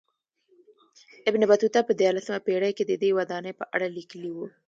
ابن بطوطه په دیارلسمه پېړۍ کې ددې ودانۍ په اړه لیکلي و.